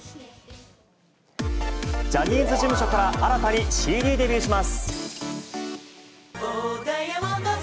ジャニーズ事務所から新たにＣＤデビューします。